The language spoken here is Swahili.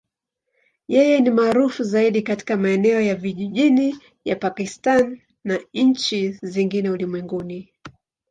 Yeye ni maarufu zaidi katika maeneo ya vijijini ya Pakistan na nchi zingine ulimwenguni.